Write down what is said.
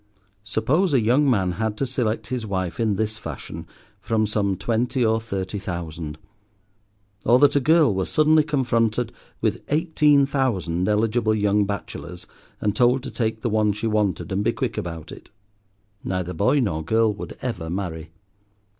Suppose a young man had to select his wife in this fashion from some twenty or thirty thousand; or that a girl were suddenly confronted with eighteen thousand eligible young bachelors, and told to take the one she wanted and be quick about it? Neither boy nor girl would ever marry.